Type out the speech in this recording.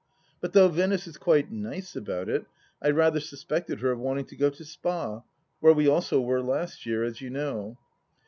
But though Venice is quite nice about it, I rather suspected her of wanting to go to Spa, where we also were last year, as you know.